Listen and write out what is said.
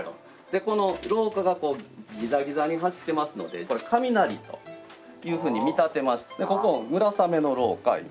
この廊下がこうギザギザに走ってますので雷というふうに見立てましてここを「村雨の廊下」いうて。